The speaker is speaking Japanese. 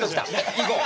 行こう。